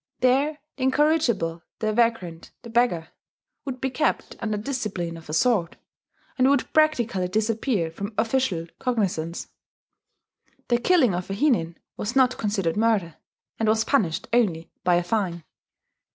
There the incorrigible, the vagrant, the beggar, would be kept under discipline of a sort, and would practically disappear from official cognizance. The killing of a hinin was not considered murder, and was punished only by a fine.